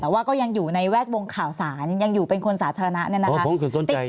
แต่ว่าก็ยังอยู่ในแวดวงข่าวสารยังอยู่เป็นคนสาธารณะเนี่ยนะคะ